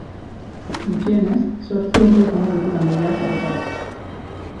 Gutxienez zortzi ordu izango ditu langileak horretarako.